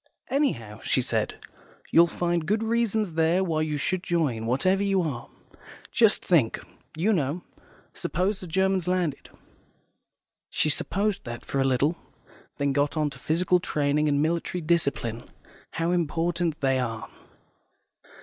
"Anyhow," she said, "you'll find good reasons there why you should join, whatever you are. Just think, you know, suppose the Germans landed." She supposed that for a little, then got on to physical training and military discipline, how important they are.